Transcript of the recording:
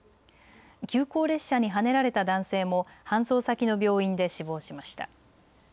急行列車にはねられた男性も搬送先の病院で死亡しました。